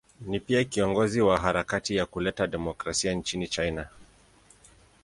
Ni pia kiongozi wa harakati ya kuleta demokrasia nchini China.